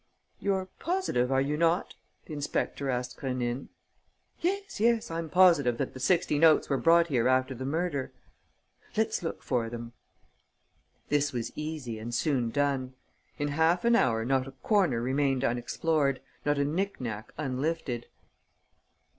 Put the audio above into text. "You're positive, are you not?" the inspector asked Rénine. "Yes, yes, I'm positive that the sixty notes were brought here after the murder." "Let's look for them." This was easy and soon done. In half an hour, not a corner remained unexplored, not a knick knack unlifted.